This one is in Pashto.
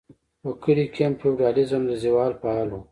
په کلیو کې هم فیوډالیزم د زوال په حال و.